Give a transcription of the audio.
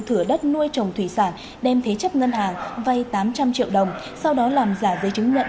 thửa đất nuôi trồng thủy sản đem thế chấp ngân hàng vay tám trăm linh triệu đồng sau đó làm giả giấy chứng nhận